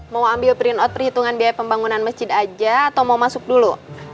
mau ambil print out perhitungan biaya pembangunan masjid aja atau mau masuk dulu